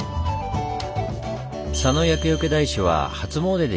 佐野厄よけ大師は初詣で